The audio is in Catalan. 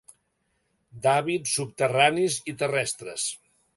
D'hàbits subterranis i terrestres.